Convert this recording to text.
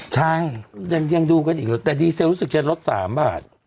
ใช่ยังดูกันอีกเลยแต่ดีเซลรู้สึกจะลด๓บาท